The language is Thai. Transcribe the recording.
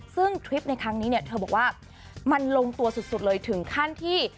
ซึ่งทริปในครั้งนี้เนี่ยเธอบอกว่ามันลงตัวสุดเลยถึงขั้นที่